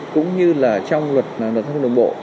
cũng như là trong luật luật thông đồng bộ